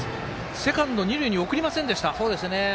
セカンド、二塁に送りませんでした。